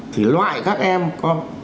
thì loại các em có